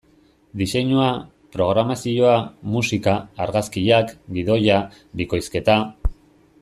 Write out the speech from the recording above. Diseinua, programazioa, musika, argazkiak, gidoia, bikoizketa...